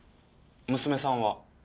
娘さんは？